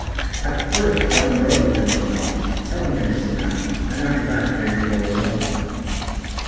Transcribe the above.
At the first John rode with him on the box, telling him this and that, and after that James drove alone.